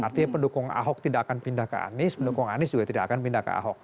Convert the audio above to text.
artinya pendukung ahok tidak akan pindah ke anies pendukung anies juga tidak akan pindah ke ahok